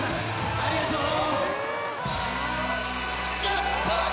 ありがとう！